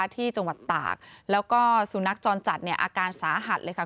ที่จังหวัดตากแล้วก็สุนัขจรจัดเนี่ยอาการสาหัสเลยค่ะ